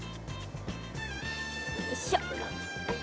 よいしょ。